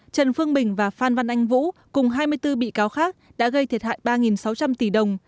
trần phương bình và phan văn anh vũ cùng hai mươi bốn bị cáo khác đã gây thiệt hại ba sáu trăm linh tỷ đồng